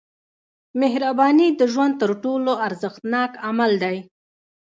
• مهرباني د ژوند تر ټولو ارزښتناک عمل دی.